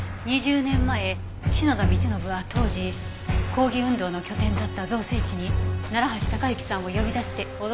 ２０年前篠田道信は当時抗議運動の拠点だった造成地に楢橋高行さんを呼び出して脅そうとした。